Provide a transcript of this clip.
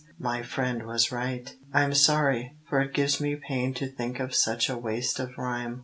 my friend was right. I'm sorry; for it gives me pain To think of such a waste of rhyme.